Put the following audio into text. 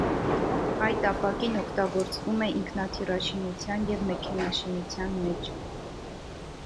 Այդ ապակին օգտագործվում է ինքնաթիռաշինության և մեքենաշինության մեջ։